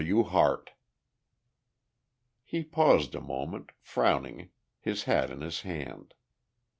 W. HARTE." He paused a moment, frowning, his hat in his hand.